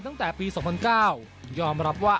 ตั้งแต่ปี๒๐๐๙ยอมรับว่า